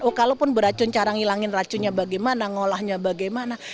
oh kalaupun beracun cara menghilangkan racunnya bagaimana mengolahnya bagaimana